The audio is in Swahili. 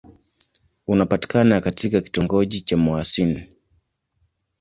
Unapatikana katika kitongoji cha Mouassine.